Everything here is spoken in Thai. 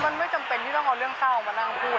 นานแหละก็แต่มันก็ก็ผ่านอีกแล้ว